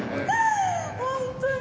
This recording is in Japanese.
本当に。